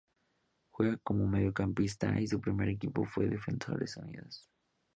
Juega como mediocampista y su primer equipo fue Defensores Unidos.